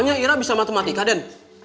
ternyata irah bisa matematika den